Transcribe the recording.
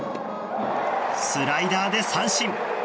スライダーで三振。